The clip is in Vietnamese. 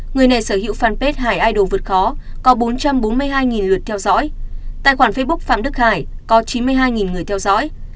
người này sở hữu fanpage hải idol vượt khó có bốn trăm bốn mươi hai lượt theo dõi tài khoản facebook phạm đức hải có chín mươi hai người theo dõi